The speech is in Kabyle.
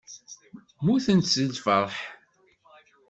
Mmutent seg lfeṛḥ.